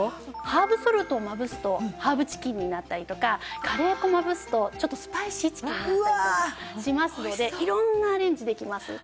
ハーブソルトをまぶすとハーブチキンになったりとかカレー粉をまぶすとちょっとスパイシーチキンになったりとかしますので色んなアレンジできます。